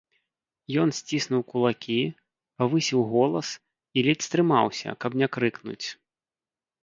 Ён сціснуў кулакі, павысіў голас і ледзь стрымаўся, каб не крыкнуць.